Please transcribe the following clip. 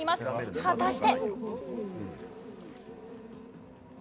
果たして？